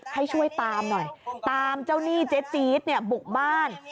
ให้ช่วยตามหน่อยตามเจ้าหนี้เจ๊จี๊ดเนี่ยบุกบ้าน